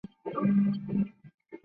傅科摆